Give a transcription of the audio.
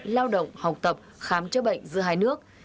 lao động học tập khám chữa bệnh giữa hai nước